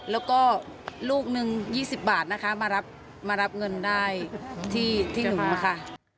แล้วก็ลูกหนึ่ง๒๐บาทนะคะมารับเงินได้ที่หนูค่ะ